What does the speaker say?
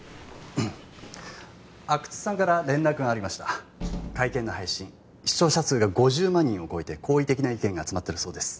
阿久津さんから連絡がありました会見の配信視聴者数が５０万人を超えて好意的な意見が集まってるそうです